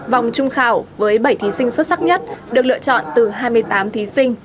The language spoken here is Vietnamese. vòng trung khảo với bảy thí sinh xuất sắc nhất được lựa chọn từ hai mươi tám thí sinh